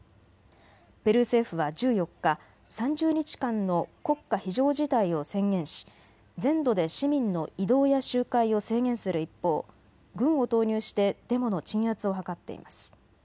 ペルー政府は１４日、３０日間の国家非常事態を宣言し全土で市民の移動や集会を制限する一方、軍を投入してデモの鎮圧を図っています。